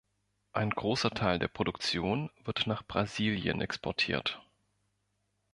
Ein großer Teil der Produktion wird nach Brasilien exportiert.